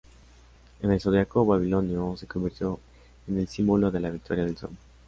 En el zodiaco babilonio, se convirtió en el símbolo de la victoria del sol.